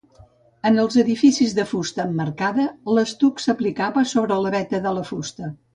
En els edificis de fusta emmarcada, l'estuc s'aplicava sobre la veta de la fusta.